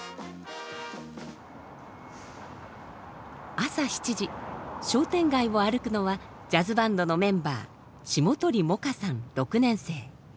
朝７時商店街を歩くのはジャズバンドのメンバー６年生。